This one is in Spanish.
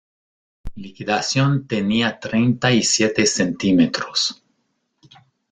Liquidación tenía treinta y siete centímetros.